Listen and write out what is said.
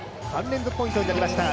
３連続ポイントになりました。